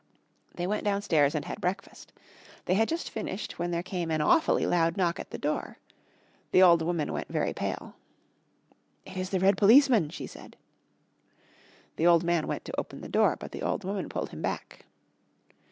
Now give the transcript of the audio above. They went downstairs and had breakfast. They had just finished when there came an awfully loud knock at the door. The old woman went very pale. "It is the red policeman," she said. The old man went to open the door. But the old woman pulled him back.